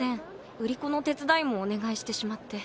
売り子の手伝いもお願いしてしまって。